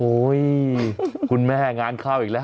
โอ้โฮคุณแม่งานข้าวอีกแล้ว